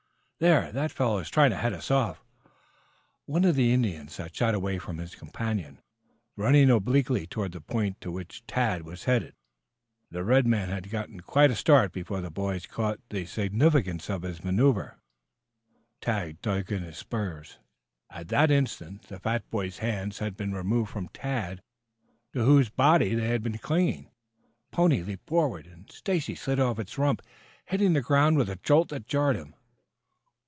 "There, that fellow is trying to head us off." One of the Indians had shot away from his companion, running obliquely toward the point to which Tad was headed. The red man had gotten quite a start before the boys caught the significance of his manoeuvre. Tad dug in the spurs. At that instant the fat boy's hands had been removed from Tad, to whose body they had been clinging. The pony leaped forward, and Stacy slid over its rump, hitting the ground with a jolt that jarred him.